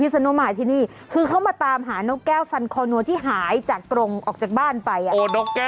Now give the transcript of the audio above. สนุกสนานกันไปค่ะ